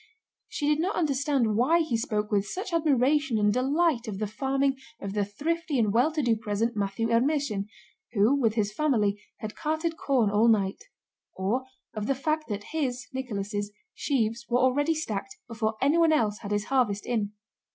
She did not understand why he spoke with such admiration and delight of the farming of the thrifty and well to do peasant Matthew Ermíshin, who with his family had carted corn all night; or of the fact that his (Nicholas') sheaves were already stacked before anyone else had his harvest in.